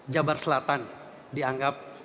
jabar selatan dianggap